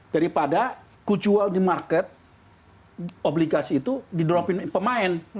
daripada kucual di market obligasi itu di dropin pemain